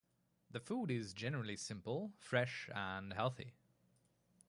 The food is generally simple, fresh and healthy.